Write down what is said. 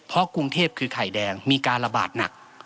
เพราะกรุงเทพคือไข่แดงมีการระบาดหนัก